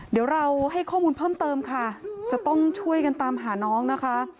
เดี๋ยวเราให้ข้อมูลเพิ่มเติมค่ะจะต้องช่วยกันตามหาน้องนะคะ